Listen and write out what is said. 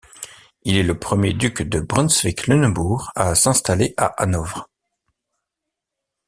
Il est le premier duc de Brunswick-Lunebourg à s'installer à Hanovre.